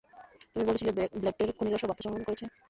তুমি বলেছিলে ব্ল্যাক ডের খুনিরা সব আত্মসমর্পণ করেছে?